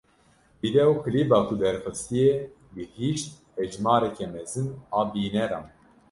Vîdeoklîba ku derxistiye gihîşt hejmareke mezin a bîneran.